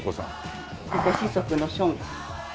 とご子息のショーン。